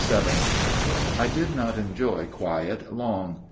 _ I did not enjoy quiet long.